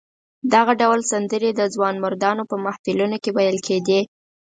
دغه ډول سندرې د ځوانمردانو په محفلونو کې ویل کېدې.